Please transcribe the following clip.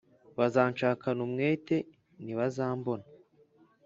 Bazanshakana umwete ntibazambona